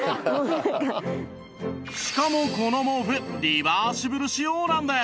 しかもこの毛布リバーシブル仕様なんです！